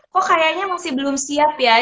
kok kayaknya masih belum siap ya